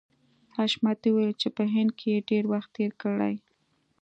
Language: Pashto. حشمتي وویل چې په هند کې یې ډېر وخت تېر کړی